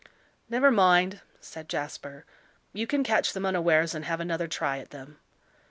"Never mind," said Jasper; "you can catch them unawares, and have another try at them."